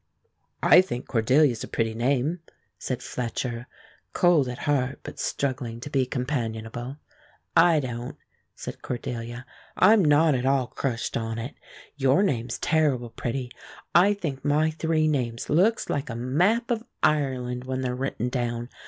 "I think Cordelia's a pretty name," said Fletcher, cold at heart but struggling to be companionable. "I don't," said Cordelia. "I'm not at all crushed on it. Your name's terrible pretty. I think my three names looks like a map of Ireland when they're written down.